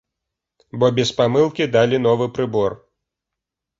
Бо без памылкі далі новы прыбор!